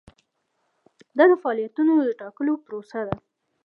دا د فعالیتونو د ټاکلو پروسه ده.